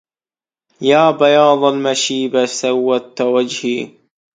يا بياض المشيب سودت وجهي